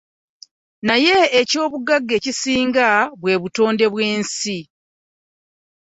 Naye eky'obugagga ekisinga bwe butonde bw'ensi.